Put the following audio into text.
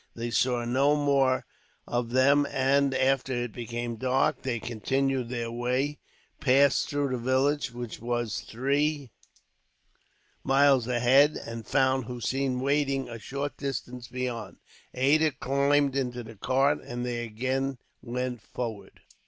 They saw no more of them and, after it became dark, they continued their way; passed through the village, which was three miles ahead; and found Hossein waiting, a short distance beyond. Ada climbed into the cart, and they again went forward.